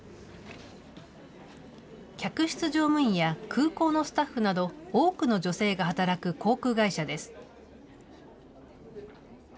客室乗務員や空港のスタッフなど多くの女性が働く航空会社です。